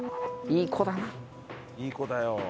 いい子だよ。